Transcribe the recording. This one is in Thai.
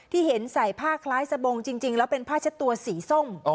ที่เห็นใส่ผ้าคล้ายสบงจริงแล้วเป็นผ้าเช็ดตัวสีส้ม